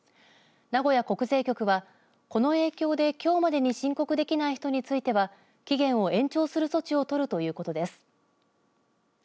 名古屋国税局は、この影響できょうまでに申告できない人については期限を延長する措置を取るということです。